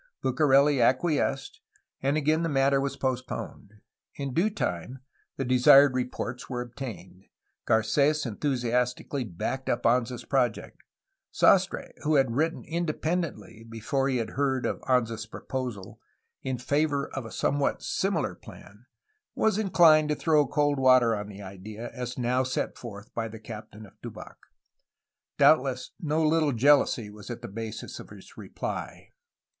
Bucareli acquiesced, and again the matter was postponed. In due time the desired reports were obtained. Garces enthusias tically backed up Anza's project. Sastre, who had written independently (before he heard of Anza^s proposal) in favor of a somewhat similar plan, was inclined to throw cold water on the idea as now set forth by the captain of Tubac; doubt less no httle jealousy was at the basis of his reply.